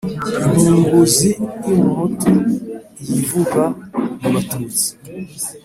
Inkunguzi y’umuhutu yivuga mu batutsi.